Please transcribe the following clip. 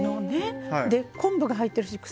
で昆布が入ってるし臭みがね